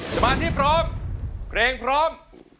สมัครที่พร้อมเพลงพร้อม